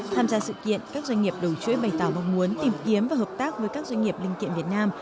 tham gia sự kiện các doanh nghiệp đầu chuỗi bày tỏ mong muốn tìm kiếm và hợp tác với các doanh nghiệp linh kiện việt nam